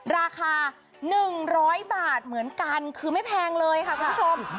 ราคา๑๐๐บาทเหมือนกันคือไม่แพงเลยค่ะคุณผู้ชม